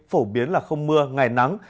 phổ biến là không mưa ngày nắng